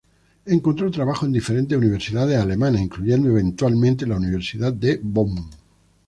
Encontró trabajo en diferentes universidades alemanas, incluyendo eventualmente la Universidad de Bonn.